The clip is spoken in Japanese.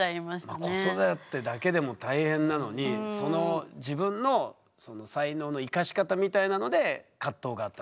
子育てだけでも大変なのにその自分の才能の生かし方みたいなので葛藤があったと。